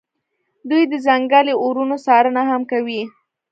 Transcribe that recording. دوی د ځنګلي اورونو څارنه هم کوي